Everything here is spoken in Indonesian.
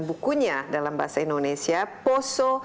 bukunya dalam bahasa indonesia poso